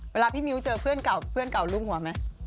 เวลาพี่มิ้วเจอเพื่อนเก่าลูบหัวไหม